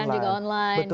pembayaran juga online gitu